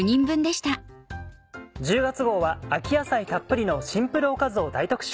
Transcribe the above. １０月号は秋野菜たっぷりのシンプルおかずを大特集。